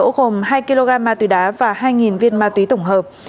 gồm hai kg ma túy đá và hai viên ma túy tổng hợp